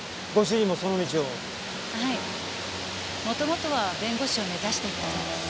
元々は弁護士を目指していたそうです。